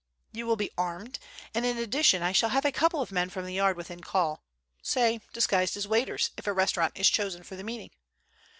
You will be armed, and in addition I shall have a couple of men from the Yard within call—say, disguised as waiters, if a restaurant is chosen for the meeting.